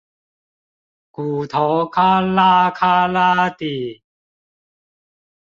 骨頭喀啦喀啦地